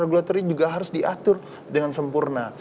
regulatory juga harus diatur dengan sempurna